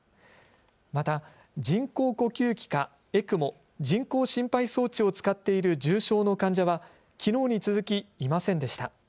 また人工呼吸器かＥＣＭＯ・人工心肺装置を使っている重症の患者はきのうに続きいませんでした。